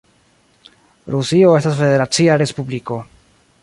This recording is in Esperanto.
Rusio estas federacia respubliko.